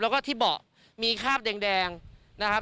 แล้วก็ที่เบาะมีคราบแดงนะครับ